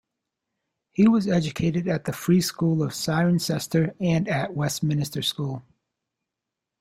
He was educated at the free school of Cirencester and at Westminster School.